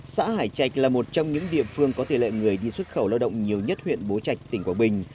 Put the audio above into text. xã hải trạch là một trong những địa phương có tỷ lệ người đi xuất khẩu lao động nhiều nhất huyện bố trạch tỉnh quảng bình